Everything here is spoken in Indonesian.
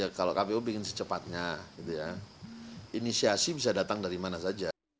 ya kalau kpu ingin secepatnya inisiasi bisa datang dari mana saja